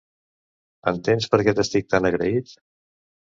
Entens per què t'estic tant agraït?